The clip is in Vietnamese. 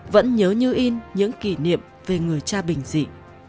vẫn nhớ như in những kỷ niệm về người cha bình dị